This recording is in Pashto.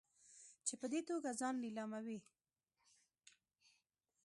چې په دې توګه ځان لیلاموي.